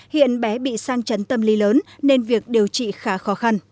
hiện bé bị sang chấn tâm lý lớn nên việc điều trị khá khó khăn